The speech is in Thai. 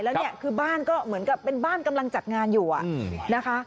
แล้วเนี่ยคือบ้านก็เหมือนกับเป็นบ้านกำลังจัดงานอยู่นะคะ